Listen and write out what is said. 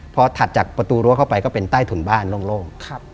พอถัดจากประตูรั้วเข้าไปก็เป็นใต้ถุนบ้านโล่ง